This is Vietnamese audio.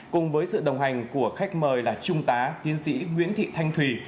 cùng với sự đồng hành của khách mời là trung tá tiến sĩ nguyễn thị thanh thùy